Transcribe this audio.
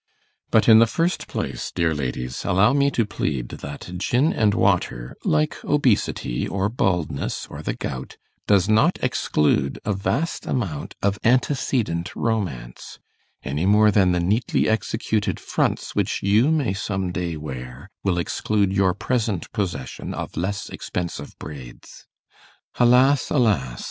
But in the first place, dear ladies, allow me to plead that gin and water, like obesity, or baldness, or the gout, does not exclude a vast amount of antecedent romance, any more than the neatly executed 'fronts' which you may some day wear, will exclude your present possession of less expensive braids. Alas, alas!